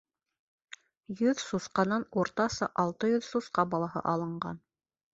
Йөз сусҡанан уртаса алты йөҙ сусҡа балаһы алынған.